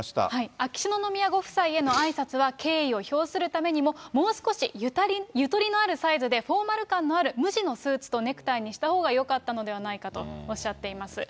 秋篠宮ご夫妻へのあいさつは、敬意を表するためにも、もう少しゆとりのあるサイズで、フォーマル感のある無地のスーツとネクタイにしたほうがよかったのではないかとおっしゃっています。